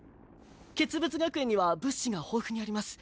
傑物学園には物資が豊富にあります。